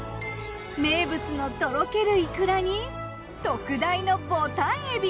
名物のとろけるイクラに特大のぼたん海老。